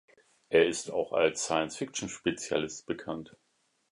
Er ist auch als Science-Fiction-Spezialist bekannt.